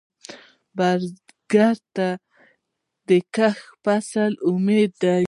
بزګر ته د کښت فصل امید دی